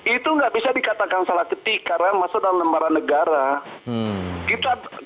itu nggak bisa dikatakan salah ketik karena masuk dalam lembaran negara